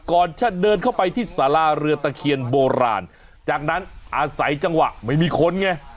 จะเดินเข้าไปที่สาราเรือตะเคียนโบราณจากนั้นอาศัยจังหวะไม่มีคนไง